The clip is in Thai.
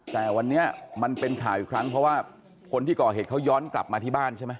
แต่วันนี้มันเป็นข่าวอีกครั้งเพราะว่าคนที่ก่อเหตุเขาย้อนกลับมาที่บ้านใช่ไหม